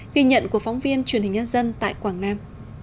ghi nhận của phóng viên truyền hình nhân dân tại quảng nam